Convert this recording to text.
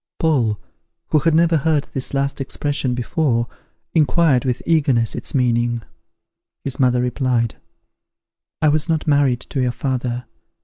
Paul, who had never heard this last expression before, inquired with eagerness its meaning. His mother replied, "I was not married to your father.